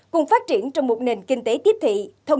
cùng phát triển trong một nền kinh tế tiếp thị thông